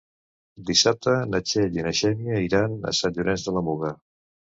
Dissabte na Txell i na Xènia iran a Sant Llorenç de la Muga.